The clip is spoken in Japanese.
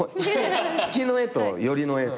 引きの絵と寄りの絵と。